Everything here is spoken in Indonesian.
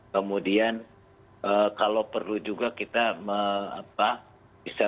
kemudian kalau perlu juga kita bisa